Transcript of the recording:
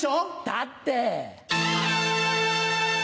だって。